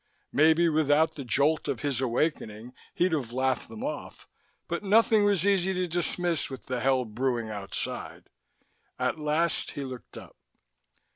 Maybe without the jolt of his awakening, he'd have laughed them off, but nothing was easy to dismiss with the hell brewing outside. At last he looked up.